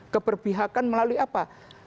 keberpihakan melalui apa